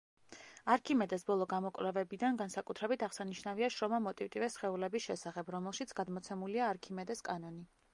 არქიმედეს ბოლო გამოკვლევებიდან განსაკუთრებით აღსანიშნავია შრომა „მოტივტივე სხეულების შესახებ“, რომელშიც გადმოცემულია არქიმედეს კანონი.